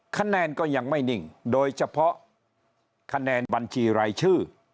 คะแนนก็ยังไม่นิ่งโดยเฉพาะคะแนนบัญชีรายชื่อ